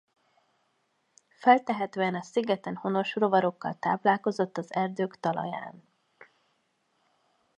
Feltehetően a szigeten honos rovarokkal táplálkozott az erdők talaján.